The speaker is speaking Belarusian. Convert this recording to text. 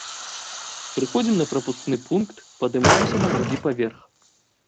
Прыходзім на прапускны пункт, падымаемся на другі паверх.